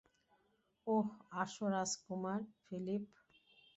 ওহ, আসো, রাজকুমার ফিলিপ।